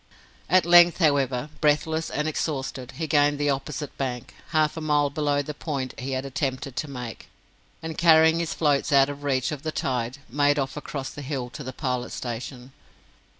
At length, however, breathless and exhausted, he gained the opposite bank, half a mile below the point he had attempted to make, and carrying his floats out of reach of the tide, made off across the hill to the Pilot Station.